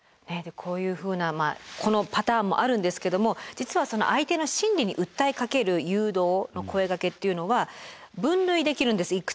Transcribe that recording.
こういうふうなこのパターンもあるんですけども実は相手の心理に訴えかける誘導の声がけっていうのは分類できるんです